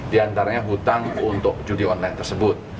di antaranya hutang untuk judi online tersebut